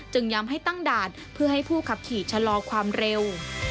ย้ำให้ตั้งด่านเพื่อให้ผู้ขับขี่ชะลอความเร็ว